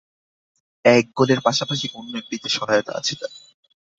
এক গোলের পাশাপাশি অন্য একটিতে সহায়তা আছে তাঁর।